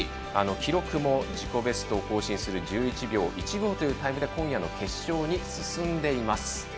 記録も自己ベストを更新する１１秒１５というタイムで今夜の決勝に進んでいます。